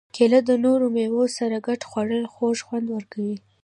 کېله د نورو مېوو سره ګډه خوړل خوږ خوند ورکوي.